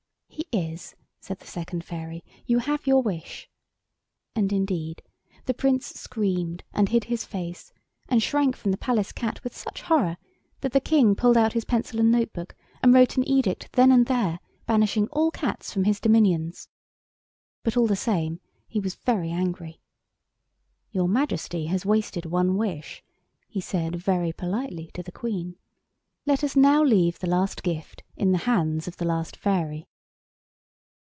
"He is," said the second fairy; "you have your wish." And, indeed, the Prince screamed, and hid his face, and shrank from the Palace cat with such horror that the King pulled out his pencil and note book and wrote an edict then and there banishing all cats from his dominions. But, all the same, he was very angry. "Your Majesty has wasted one wish," he said very politely to the Queen; "let us now leave the last gift in the hands of the last fairy."